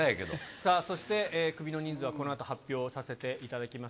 さあ、そして、クビの人数はこのあと発表させていただきます。